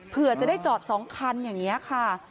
เผื่อจะได้จอด๒คันอย่างนี้ค่ะ